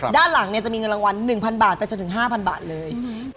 ด้านหลังจะมีเงินรางวัล๑๐๐บาทไปจนถึง๕๐๐บาทเลย